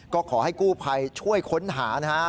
ก็ขอให้กู้ภัยช่วยค้นหานะฮะ